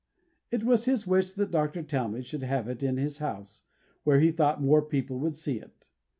It was his wish that Dr. Talmage should have it in his house, where he thought more people would see it.